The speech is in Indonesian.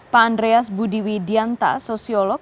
pak andreas budiwi dianta sosiolog